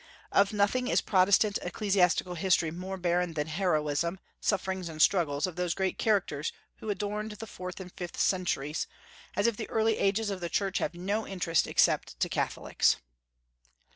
Of nothing is Protestant ecclesiastical history more barren than the heroism, sufferings, and struggles of those great characters who adorned the fourth and fifth centuries, as if the early ages of the Church have no interest except to Catholics.